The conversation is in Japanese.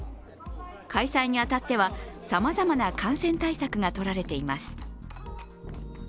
開催に当たってはさまざまな感染対策がとられています。